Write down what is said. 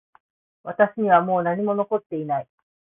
私にはもう何も残っていない